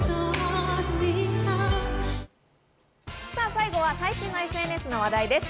最後は最新のＳＮＳの話題です。